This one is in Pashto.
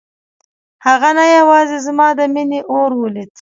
هغه نه یوازې زما د مينې اور ولید.